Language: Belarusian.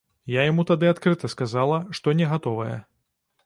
Я яму тады адкрыта сказала, што не гатовая.